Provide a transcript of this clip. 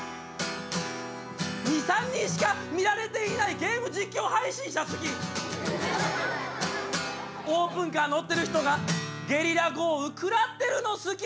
「２３人しか見られていないゲーム実況配信者好き」「オープンカー乗ってる人がゲリラ豪雨くらってるの好き」